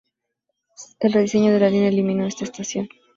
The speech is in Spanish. El rediseño de la línea eliminó esta estación.